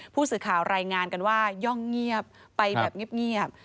ผู้สื่อข่าวรายงานกันว่าย่องเงียบไปแบบเงียบ